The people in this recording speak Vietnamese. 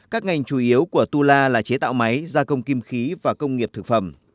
các ngành chủ yếu của tula là chế tạo máy gia công kim khí và công nghiệp thực phẩm